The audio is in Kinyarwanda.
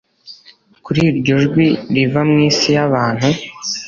kuri iryo jwi riva mu isi y'abantu